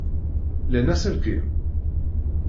Llan aselkim?